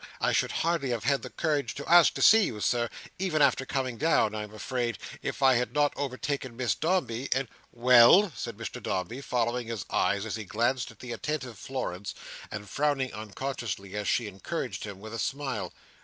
I should hardly have had the courage to ask to see you, Sir, even after coming down, I am afraid, if I had not overtaken Miss Dombey, and—" "Well!" said Mr Dombey, following his eyes as he glanced at the attentive Florence, and frowning unconsciously as she encouraged him with a smile.